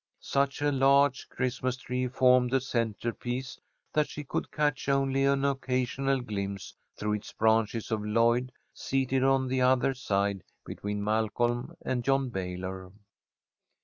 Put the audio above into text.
Such a large Christmas tree formed the centrepiece that she could catch only an occasional glimpse through its branches of Lloyd, seated on the other side between Malcolm and John Baylor.